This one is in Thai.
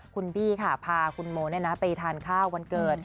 คุณบี้ค่ะพาคุณโมไปทานข้าววันเกิด